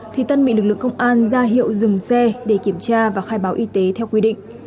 thì tân bị lực lượng công an ra hiệu dừng xe để kiểm tra và khai báo y tế theo quy định